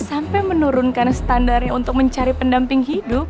sampai menurunkan standarnya untuk mencari pendamping hidup